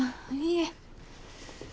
いいえ。